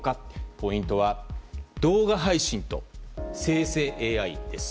ポイントは動画配信と生成ＡＩです。